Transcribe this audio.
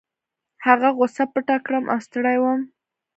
هغه غوسه پټه کړم او ستړی وم.